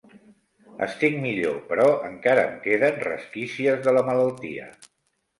Estic millor, però encara em queden resquícies de la malaltia.